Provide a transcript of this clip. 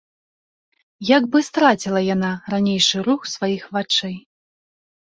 Як бы страціла яна ранейшы рух сваіх вачэй.